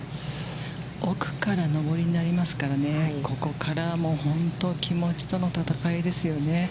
奥から上りになりますから、ここから、もう本当気持ちとの戦いですよね。